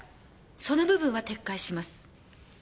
その部分は撤回します。